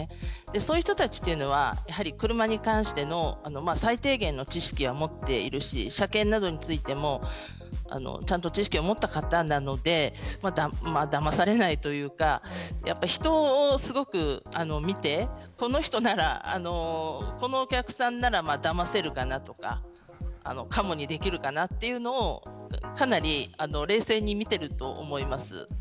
そういう人たちは車に関しての最低限の知識を持っているし車検などについてもちゃんと知識を持った方なのでだまされないというか人をすごく見てこの人ならこのお客さんならだませるとかかもにできるかなというのはかなり冷静に見ていると思います。